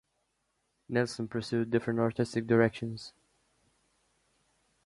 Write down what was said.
Nelson pursued different artistic directions.